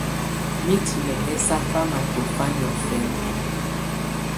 Mitini yɛ̀ sà famà tɔ̀fa niɔ̀fɛnɛ.